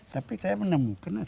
tapi saya menemukan